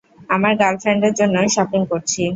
আমার গার্লফ্রেন্ডের জন্য শপিং করছি।